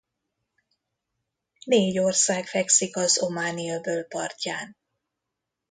Négy ország fekszik az Ománi-öböl partján.